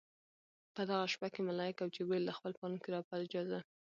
په دغه شپه کې ملائک او جبريل د خپل پالونکي رب په اجازه